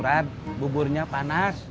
uran buburnya panas